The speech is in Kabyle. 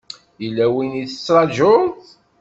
Yella win i tettṛajuḍ?